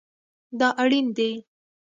دا اړین دی